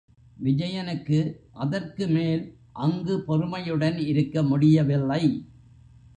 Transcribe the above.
விஜயனுக்கு அதற்குமேல் அங்கு பொறுமையுடன் இருக்க முடியவில்லை.